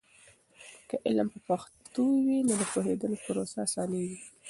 که علم په پښتو وي، نو د پوهیدلو پروسه اسانېږي.